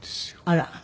あら。